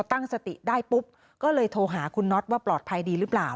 ตั้งสติได้ปุ๊บก็เลยโทรหาคุณน็อตว่าปลอดภัยดีหรือเปล่า